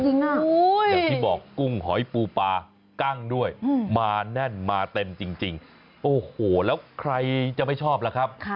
อย่างที่บอกกุ้งหอยปูปลากั้งด้วยมาแน่นมาเต็มจริงโอ้โหแล้วใครจะไม่ชอบล่ะครับ